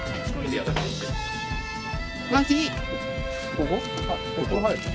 ここ？